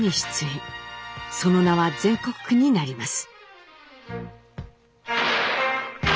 その名は全国区になります。